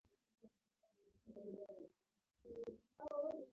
yaliyoonyesha ushindi wa rais wa nchi hiyo bonnie yai